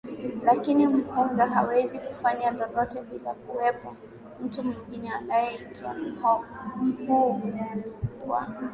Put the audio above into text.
Lakini Muhunga hawezi kufanya lolote bila ya kuwepo mtu mwingine anayeitwa Mghongo huyu kwa